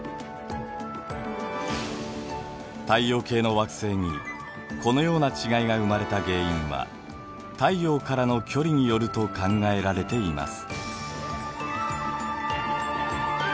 太陽系の惑星にこのような違いが生まれた原因は太陽からの距離によると考えられています。